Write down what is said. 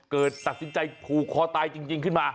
เกิดตัดสินใจผูกคอตายจริงขึ้นมา